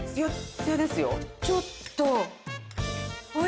ちょっと！